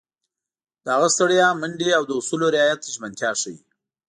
د هغه ستړیا، منډې او د اصولو رعایت ژمنتیا ښيي.